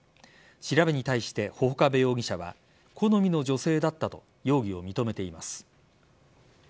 調べに対して、波々伯部容疑者は好みの女性だったと容疑を認めています。